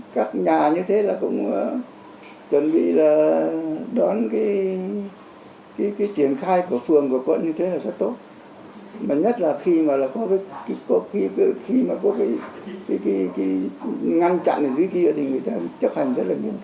các nhà như thế cũng chuẩn bị đón triển khai của phường của quận như thế là rất tốt